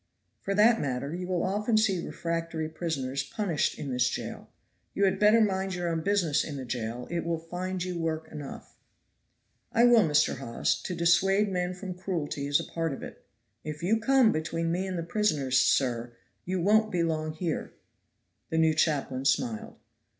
"For that matter, you will often see refractory prisoners punished in this jail. You had better mind your own business in the jail, it will find you work enough." "I will, Mr. Hawes; to dissuade men from cruelty is a part of it." "If you come between me and the prisoners, sir, you won't be long here." The new chaplain smiled.